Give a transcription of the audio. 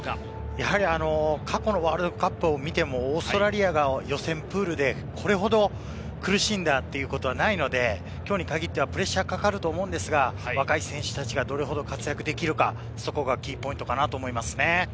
やはり過去のワールドカップを見てもオーストラリアが予選プールでこれほど苦しんだということはないので、きょうに限ってはプレッシャーがかかると思うんですが、若い選手たちが、どれほど活躍できるか、そこがキーポイントかなと思いますね。